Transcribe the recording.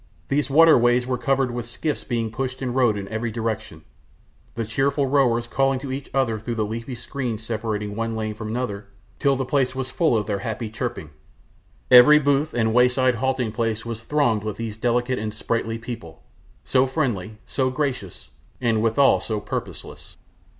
These waterways were covered with skiffs being pushed and rowed in every direction; the cheerful rowers calling to each other through the leafy screens separating one lane from another till the place was full of their happy chirruping. Every booth and way side halting place was thronged with these delicate and sprightly people, so friendly, so gracious, and withal so purposeless.